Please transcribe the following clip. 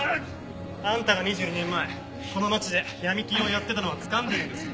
あんたが２２年前この町でヤミ金をやってたのはつかんでるんですよ。